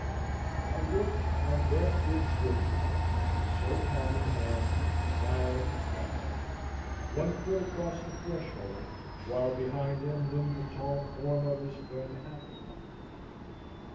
I looked and there stood Swiftwater, silk hat in hand, smiling, bowing, one foot across the threshold, while behind him loomed the tall form of his friend Hathaway.